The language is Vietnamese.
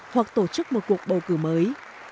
hoặc tổ chức một cuộc bầu cử mới